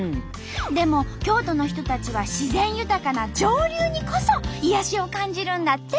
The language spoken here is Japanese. でも京都の人たちは自然豊かな上流にこそ癒やしを感じるんだって。